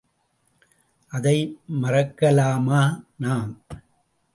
அதை மறக்கலாமா நாம்?